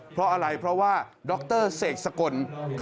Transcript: เพราะอะไรเพราะว่าดรเสกสกล